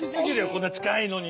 こんなちかいのに。